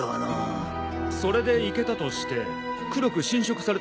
それで行けたとして黒く侵食されたらどうするんだ？